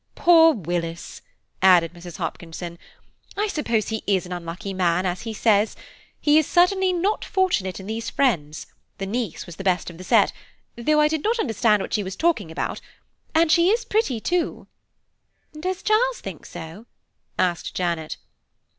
"Poor Willis!" added Mrs. Hopkinson, "I suppose he is an unlucky man, as he says. He is certainly not fortunate in these friends; the niece was the best of the set, though I did not understand what she was talking about, and she is pretty too." "Does Charles think so?" asked Janet.